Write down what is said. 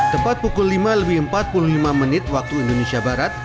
tepat pukul lima lebih empat puluh lima menit waktu indonesia barat